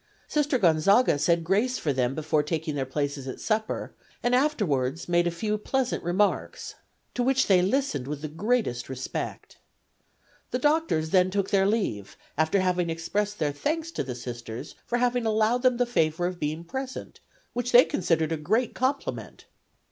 Sister Gonzaga said grace for them before taking their places at supper, and afterward make a few pleasant remarks, to which they listened with the greatest respect. The doctors then took their leave, after having expressed their thanks to the Sisters for having allowed them the favor of being present, which they considered a great compliment.